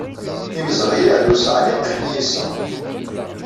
Imzeɣyal ur sɛan iqiḥ n yiseɣ.